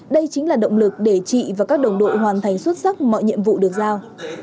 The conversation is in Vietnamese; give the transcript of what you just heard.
đây chính là động lực để chị và các đồng đội hoàn thành xuất sắc mọi nhiệm vụ được giao